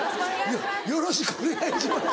よろしくお願いします！